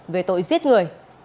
về tội giết người